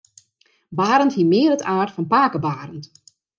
Barend hie mear it aard fan pake Barend.